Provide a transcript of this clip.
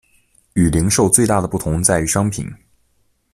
与零售最大的不同在于商品。